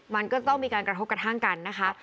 มันก็ต้องมีการกระทบกระทั่งกันนะคะ